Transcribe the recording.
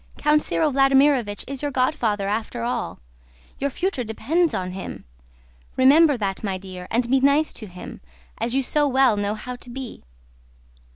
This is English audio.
Count Cyril Vladímirovich is your godfather after all, and your future depends on him. Remember that, my dear, and be nice to him, as you so well know how to be."